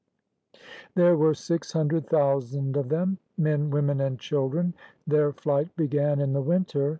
There were six hundred thousand of them, men, women, and children. Their flight began in the winter.